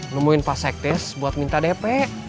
numuhin pak sekdes buat minta dp